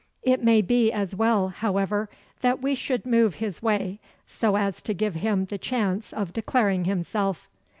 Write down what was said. It may be as well, however, that we should move his way, so as to give him the chance of declaring himself.